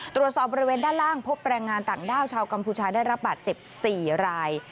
ตรวจสอบบริเวณด้านล่างพบแรงงานต่างด้าวชาวกัมพูชาได้รับบาดเจ็บ๔ราย